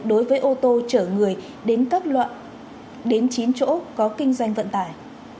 đối với ô tô chở người đến chín chỗ có kinh doanh vận tải